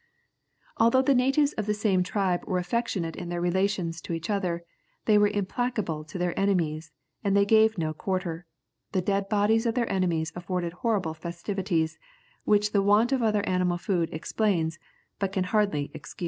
Although the natives of the same tribe were affectionate in their relations to each other, they were implacable to their enemies, and they gave no quarter; the dead bodies of their enemies afforded horrible festivities, which the want of other animal food explains, but can hardly excuse.